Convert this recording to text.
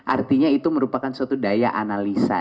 artinya itu merupakan suatu daya analisa